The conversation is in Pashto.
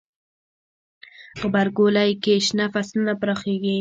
غبرګولی کې شنه فصلونه پراخیږي.